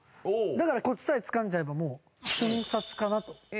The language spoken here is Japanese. だからコツさえつかんじゃえばもう瞬殺かなと。